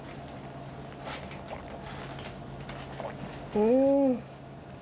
うん。